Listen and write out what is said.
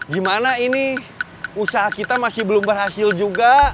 gimana ini usaha kita masih belum berhasil juga